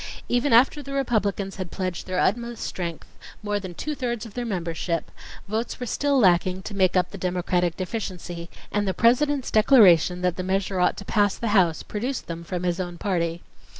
Even after the Republicans had pledged their utmost strength, more than two thirds of their membership, votes were still lacking to make up the Democratic deficiency, and the President's declaration that the measure ought to pass the House, produced them from his own party.